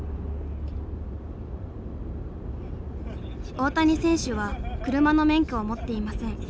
大谷選手は車の免許を持っていません。